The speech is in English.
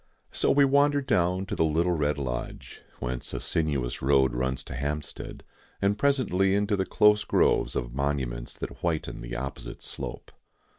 So we wander down to the little red lodge, whence a sinuous road runs to Hampstead, and presently into the close groves of monuments that whiten the opposite slope.